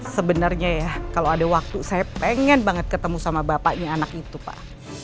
sebenarnya ya kalau ada waktu saya pengen banget ketemu sama bapaknya anak itu pak